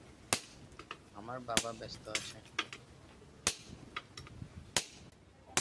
আমার বাবা ব্যস্ত আছে।